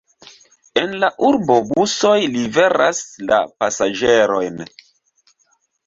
En la urbo busoj liveras la pasaĝerojn.